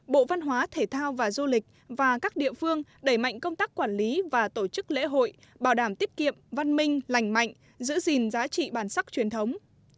bộ văn hóa thể thao và du lịch và các địa phương đẩy mạnh công tác quản lý và tổ chức lễ hội bảo đảm tiết kiệm văn minh lành mạnh giữ gìn giá trị bản sắc truyền thống